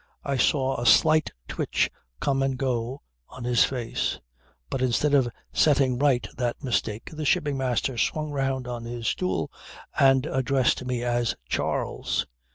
I saw a slight twitch come and go on his face; but instead of setting right that mistake the Shipping Master swung round on his stool and addressed me as 'Charles.'